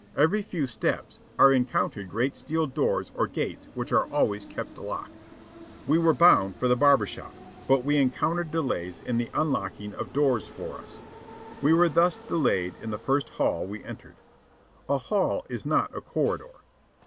Every few steps are encountered great steel doors or gates which are always kept locked. We were bound for the barber shop, but we encountered delays in the unlocking of doors for us. We were thus delayed in the first "hall" we entered. A "hall" is not a corridor.